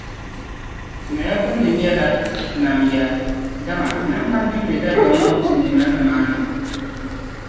Naya gbinni nyɛla, “Nam ya” dama nam kam din be Dagbaŋ ŋɔ piinila nimaani.